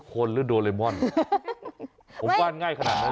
คนหรือโดเรมอนผมว่าง่ายขนาดนั้น